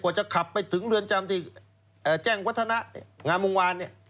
จะขับไปถึงเรือนจำที่แจ้งวัฒนะงามวงวานเนี่ย